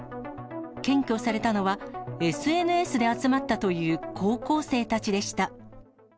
検挙されたのは、ＳＮＳで集まったという高校生たちでした。